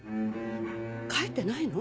帰ってないの？